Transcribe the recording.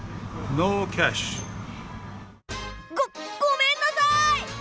ごごめんなさい！